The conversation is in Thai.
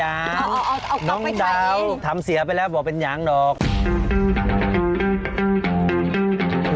ถิ่มงานใครจะรับอีกข้อคอย